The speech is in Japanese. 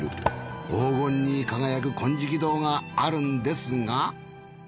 黄金に輝く金色堂があるんですが。